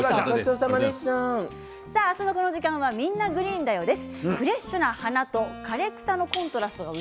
明日のこの時間は「みんな！グリーンだよ」です。